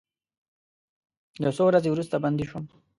یو څو ورځې وروسته بندي شوم.